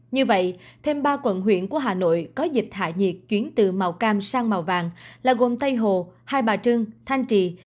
như vậy thêm ba quận huyện của hà nội có dịch hại nhiệt chuyển từ màu cam sang màu vàng là gồm tây hồ hai bà trưng thanh trì